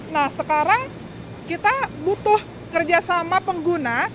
nah sekarang kita butuh kerjasama pengguna